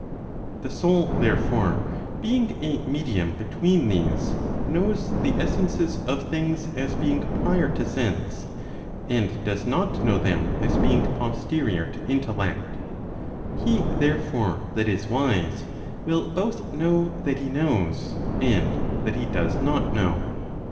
The soul therefore, being a medium between these, knows the essences of things as being prior to sense, and does not know them as being posterior to intellect. He therefore that is wise, will both know that he knows, and that he does not know.